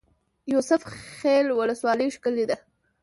یوسف خیل ولسوالۍ ښکلې ده؟